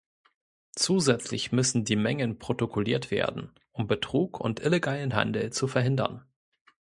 Zusätzlich müssen die Mengen protokolliert werden, um Betrug und illegalen Handel zu verhindern.